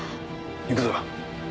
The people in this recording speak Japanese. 行くぞ。